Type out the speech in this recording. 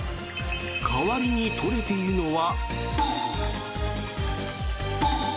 代わりに取れているのは。